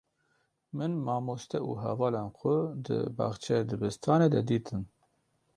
Min mamoste û hevalên xwe di baxçeyê dibistanê de dîtin.